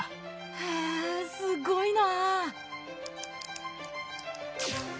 へえすごいな。